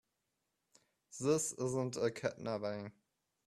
This isn't a kidnapping.